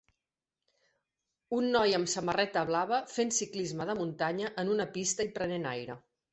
Un noi amb samarreta blava fent ciclisme de muntanya en una pista i prenent aire.